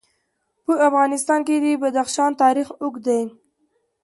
په افغانستان کې د بدخشان تاریخ اوږد دی.